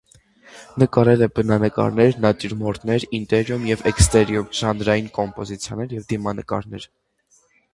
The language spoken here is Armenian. Նկարել է բնանկարներ, նատյուրմորտներ ինտերիում և էքստերիում, ժանրային կոմպոզիցիաներ և դիմանկարներ։